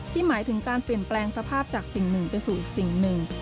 หมายถึงการเปลี่ยนแปลงสภาพจากสิ่งหนึ่งไปสู่อีกสิ่งหนึ่ง